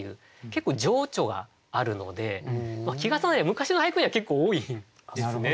結構情緒があるので季重なりは昔の俳句には結構多いんですね。